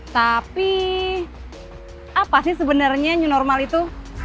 tapi apa sih sebenarnya new normal itu